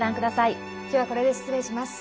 今日は、これで失礼します。